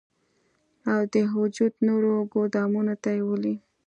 او د وجود نورو ګودامونو ته ئې ولي